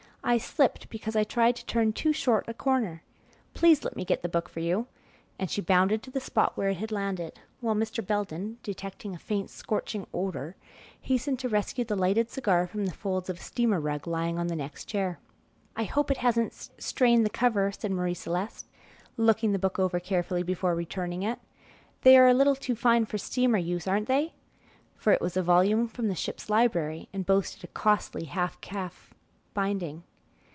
I slipped because I tried to turn too short a corner. Please let me get the book for you," and she bounded to the spot where it had landed, while Mr. Belden, detecting a faint scorching odor, hastened to rescue the lighted cigar from the folds of a steamer rug lying on the next chair. "I hope it hasn't strained the cover," said Marie Celeste, looking the book over carefully before returning it. "They are a little too fine for steamer use, aren't they?" for it was a volume from the ship's library, and boasted a costly half calf binding.